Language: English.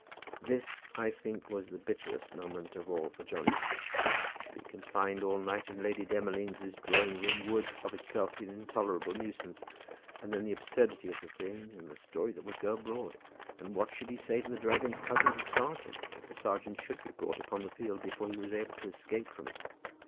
This, I think, was the bitterest moment of all to Johnny. To be confined all night in Lady Demolines' drawing room would, of itself, be an intolerable nuisance. And then the absurdity of the thing, and the story that would go abroad! And what should he say to the dragon's cousin the serjeant, if the serjeant should be brought upon the field before he was able to escape from it?